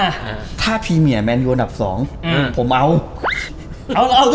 อ่าถ้าภีมิอร์แมนยูอันดับสองอืมผมเอาเอาเอาด้วยเหรอ